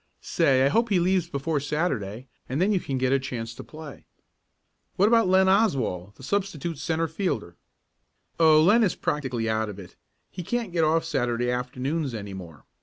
Say, I hope he leaves before Saturday and then you can get a chance to play." "What about Len Oswald, the substitute centre fielder?" "Oh, Len is practically out of it. He can't get off Saturday afternoons any more.